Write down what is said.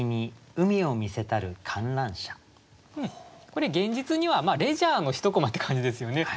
これ現実にはレジャーの１コマって感じですよね。